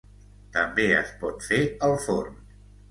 També es pot fer al forn.